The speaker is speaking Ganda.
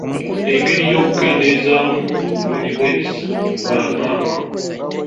Engeri y'okukendeezaamu obulumi bw'ebisa mu bamaama.